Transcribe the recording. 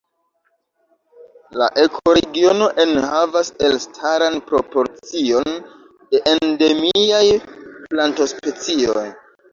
La ekoregiono enhavas elstaran proporcion de endemiaj plantospecioj.